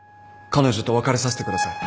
彼女と別れさせてください。